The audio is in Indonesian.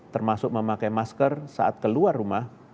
termasuk memakai masker saat keluar rumah